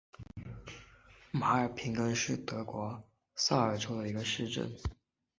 马尔平根是德国萨尔州的一个市镇。